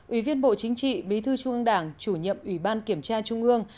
ủy viên bộ chính trị bí thư trung ương đảng chủ nhiệm ủy ban kiểm tra trung ương